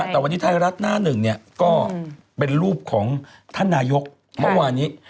แต่วันนี้ไทยรัฐหน้าหนึ่งเนี่ยก็เป็นรูปของท่านนายกเมื่อวานนี้